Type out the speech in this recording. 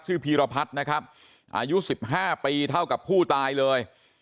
พีรพัฒน์นะครับอายุ๑๕ปีเท่ากับผู้ตายเลย